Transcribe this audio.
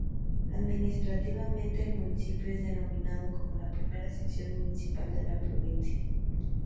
Administrativamente, el municipio es denominando como la "primera sección municipal" de la provincia.